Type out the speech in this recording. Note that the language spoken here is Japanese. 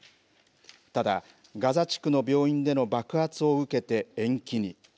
ただ、ガザ地区の病院での爆発を受けて延期に。